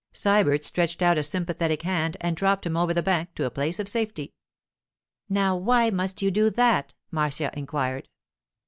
Sybert stretched out a sympathetic hand and dropped him over the bank to a place of safety. 'Now why must you do that?' Marcia inquired.